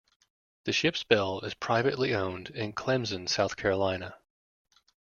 The ship's bell is privately owned in Clemson, South Carolina.